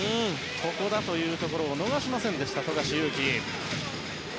ここだというところを逃しませんでした、富樫勇樹。